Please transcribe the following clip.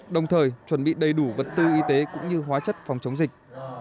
đồng thời chuẩn bị đầy đủ vật tư y tế cũng như hóa chất phòng chống dịch